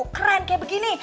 keren kaya begini